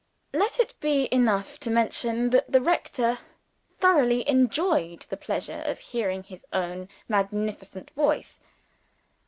Let it be enough to mention that the rector thoroughly enjoyed the pleasure of hearing his own magnificent voice.